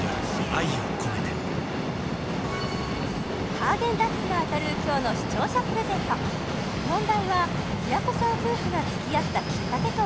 ハーゲンダッツが当たる今日の視聴者プレゼント問題は平子さん夫婦が付き合ったきっかけとは？